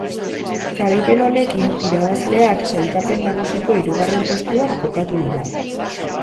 Garaipen honekin, irabazleak sailkapen nagusiko hirugarren postuan kokatu dira.